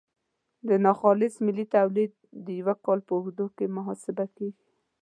ناخالص ملي تولید د یو کال په اوږدو کې محاسبه کیږي.